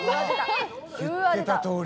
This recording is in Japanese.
言ってたとおりだ。